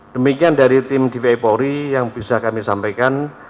demikian dari tim dvi polri yang bisa kami sampaikan